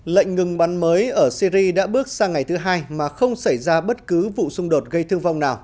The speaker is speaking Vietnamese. lệnh ngừng bắn mới ở syri đã bước sang ngày thứ hai mà không xảy ra bất cứ vụ xung đột gây thương vong nào